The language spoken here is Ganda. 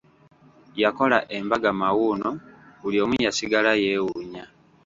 Yakola embaga mawuuno buli omu yasigala yeewuunya.